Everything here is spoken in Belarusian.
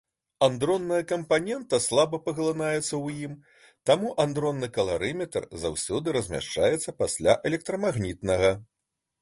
Адронная кампанента слаба паглынаецца ў ім, таму адронны каларыметр заўсёды размяшчаецца пасля электрамагнітнага.